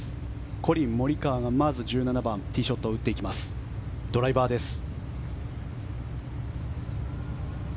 コリン・モリカワがまず１７番ティーショットを打っていきますドライバーです。